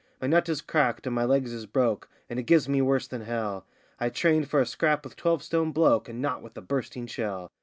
My nut is cracked and my legs is broke, and it gives me worse than hell; I trained for a scrap with a twelve stone bloke, and not with a bursting shell.